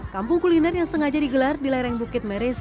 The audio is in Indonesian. kampung kuliner yang sengaja digelar di lereng bukit meresi